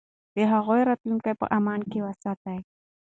د هغوی راتلونکی په امن کې وساتئ.